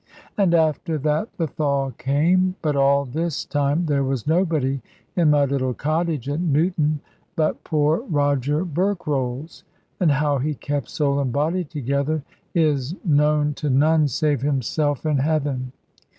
And after that the thaw came. But all this time there was nobody in my little cottage at Newton, but poor Roger Berkrolles, and how he kept soul and body together is known to none save himself and Heaven.